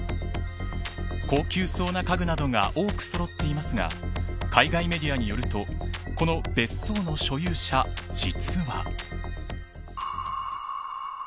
高級そうな家具などが多くそろっていますが海外メディアによるとこの別荘の所有者、実は。